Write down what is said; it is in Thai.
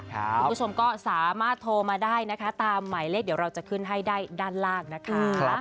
คุณผู้ชมก็สามารถโทรมาได้นะคะตามหมายเลขเดี๋ยวเราจะขึ้นให้ได้ด้านล่างนะคะ